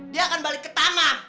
dia akan balik ke taman